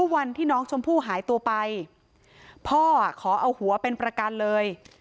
วันที่น้องชมพู่หายตัวไปพ่อขอเอาหัวเป็นประกันเลย